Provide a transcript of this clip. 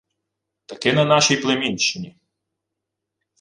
— Таки на нашій племінщині.